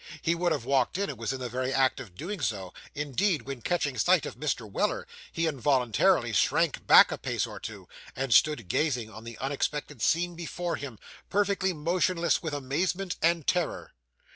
He would have walked in, and was in the very act of doing so, indeed, when catching sight of Mr. Weller, he involuntarily shrank back a pace or two, and stood gazing on the unexpected scene before him, perfectly motionless with amazement and terror.